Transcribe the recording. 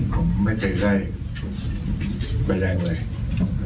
ผมไม่เคยได้แบร์แหลงอะไร